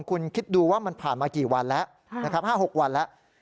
คุณคิดดูว่ามันผ่านมากี่วันแล้วนะครับ๕๖วันแล้ว